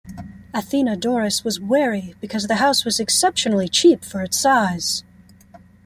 Athenodorus was wary because the house was exceptionally cheap for its size.